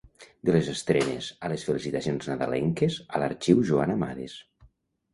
De les estrenes a les felicitacions nadalenques a l'Arxiu Joan Amades.